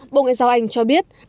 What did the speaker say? bộ ngoại giao anh cho biết